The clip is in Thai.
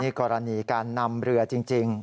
กรณีการนำเรือจริง